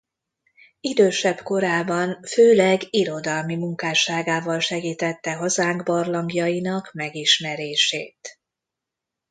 Idősebb korában főleg irodalmi munkásságával segítette hazánk barlangjainak megismerését.